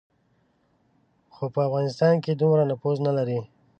خو په افغانستان کې دومره نفوذ نه لري.